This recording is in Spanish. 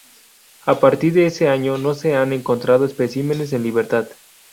A partir de ese año no se han encontrado especímenes en libertad.